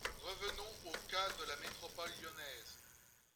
Revenons au cas de la métropole lyonnaise.